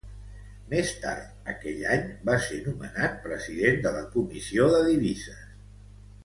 Més tard aquell any va ser nomenat president de la Comissió de divises.